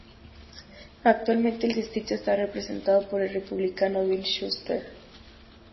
Actualmente el distrito está representado por el Republicano Bill Shuster.